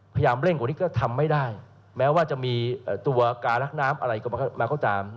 พยายามเร่งกว่านี้ก็ทำไม่ได้แม้ว่าจะมีตัวการรักน้ำอะไรมาก็ตาม